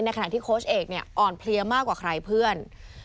ขณะที่โค้ชเอกเนี่ยอ่อนเพลียมากกว่าใครเพื่อน